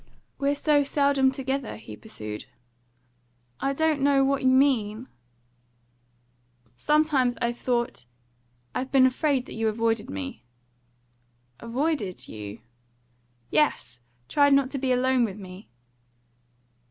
"We're so seldom together," he pursued. "I don't know what you mean " "Sometimes I've thought I've been afraid that you avoided me." "Avoided you?" "Yes! Tried not to be alone with me."